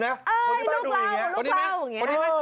เอ้ยลูกเราลูกเรานี่แล้ว